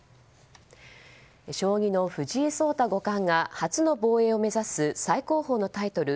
将棋の藤井聡太五冠が初の防衛を目指す最高峰のタイトル